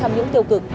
tham nhũng tiêu cực